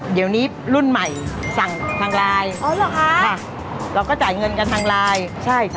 เดี๋ยวนี้รุ่นใหม่สั่งทางไลน์อ๋อเหรอคะค่ะเราก็จ่ายเงินกันทางไลน์ใช่ค่ะ